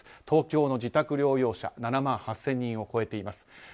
東京の自宅療養者７万８０００人を超えています。